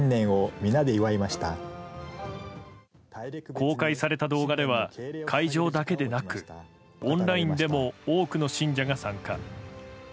公開された動画では会場だけでなくオンラインでも多くの信者が参加。